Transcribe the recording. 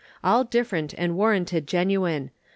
All different and warranted genuine.